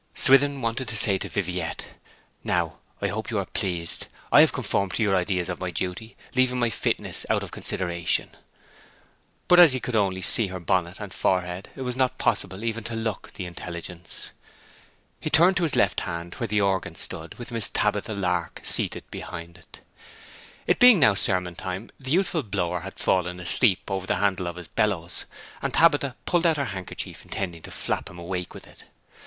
Swithin wanted to say to Viviette, 'Now I hope you are pleased; I have conformed to your ideas of my duty, leaving my fitness out of consideration;' but as he could only see her bonnet and forehead it was not possible even to look the intelligence. He turned to his left hand, where the organ stood, with Miss Tabitha Lark seated behind it. It being now sermon time the youthful blower had fallen asleep over the handle of his bellows, and Tabitha pulled out her handkerchief intending to flap him awake with it.